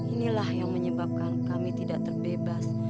inilah yang menyebabkan kami tidak terbebas